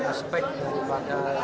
sosial pemerintahan dari masyarakat